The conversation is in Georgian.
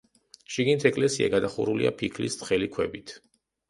შიგნით ეკლესია გადახურულია ფიქლის თხელი ქვებით.